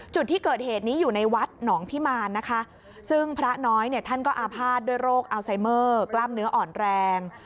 จุดที่เกิดเหตุนี้อยู่ในวัดหนองพิมารนะคะซึ่งพระน้อยเนี่ยท่านก็อาภาษณ์ด้วยโรคอัลไซเมอร์กล้ามเนื้ออ่อนแรง